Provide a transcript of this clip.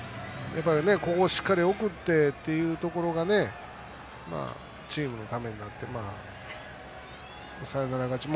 ここをしっかり送ってというところがねチームのためになってサヨナラ勝ちも。